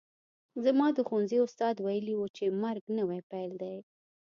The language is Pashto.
زما د ښوونځي استاد ویلي وو چې مرګ نوی پیل دی